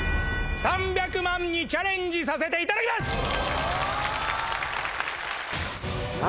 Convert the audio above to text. ３００万にチャレンジさせていただきます！